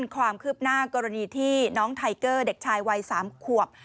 ความคืบหน้ากรณีที่น้องไทเกอร์เด็กชายวัย๓ขวบ